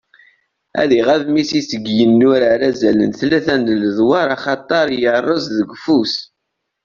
Ad iɣab Messi seg yinurar azal n tlata n ledwar axaṭer yerreẓ deg ufus.